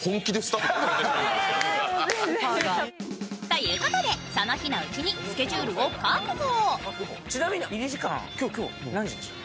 ということで、その日のうちにスケジュールを確保。